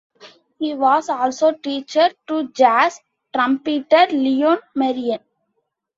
He was also teacher to jazz trumpeter Leon Merian.